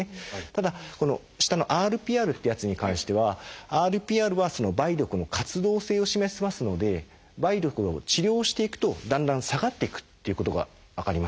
ただこの下のＲＰＲっていうやつに関してはＲＰＲは梅毒の活動性を示しますので梅毒を治療していくとだんだん下がっていくっていうことが分かります。